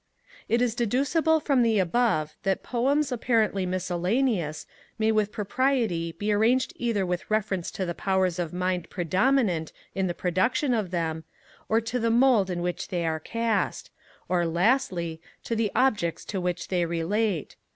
It is deducible from the above, that poems apparently miscellaneous, may with propriety be arranged either with reference to the powers of mind predominant in the production of them; or to the mould in which they are cast; or, lastly, to the subjects to which they relate.